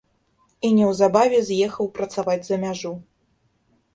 І неўзабаве з'ехаў працаваць за мяжу.